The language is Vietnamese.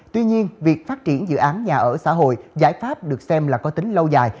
tuy nhiên việc phát triển dự án nhà ở xã hội giải pháp được xem là có tính lâu dài